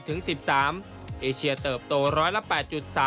๑๓เอเชียเติบโตร้อยละ๘๓